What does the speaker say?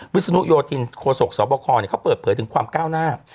วิศนุโยธินโคศกสบคเขาเปิดเผยถึงความก้าวหน้า